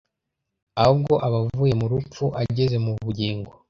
ahubwo aba avuye mu rupfu ageze mu bugingo"